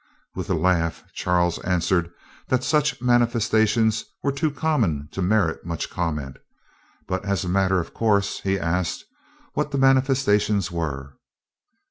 With a laugh, Charles answered that such manifestations were too common to merit much comment; but as a matter of course he asked what the manifestations were.